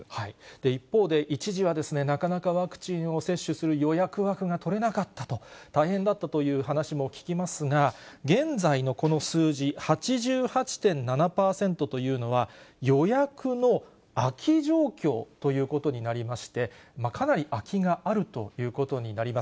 一方で、一時はなかなかワクチンを接種する予約枠が取れなかったと、大変だったという話も聞きますが、現在のこの数字、８８．７％というのは、予約の空き状況ということになりまして、かなり空きがあるということになります。